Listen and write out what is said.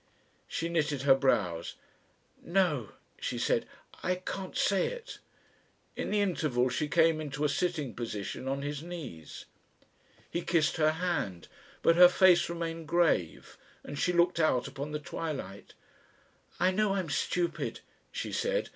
She knitted her brows. "No!" she said. "I can't say it." In the interval she came into a sitting position on his knees. He kissed her hand, but her face remained grave, and she looked out upon the twilight. "I know I'm stupid," she said.